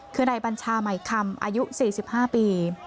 คือนายบัญชาใหม่คำอายุ๔๕ปี